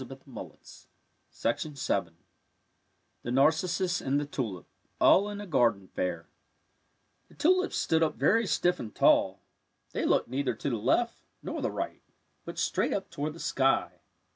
14 THE NARCISSUS AND THE TULIP THE NARCISSUS AND THE TULIP ALL IN A GARDEN FAIR The tulips stood up very stiff and tall. They looked neither to the left nor the right, but straight up toward the sky.